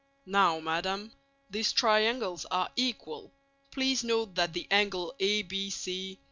"Now, madam, these triangles are equal; please note that the angle ABC..."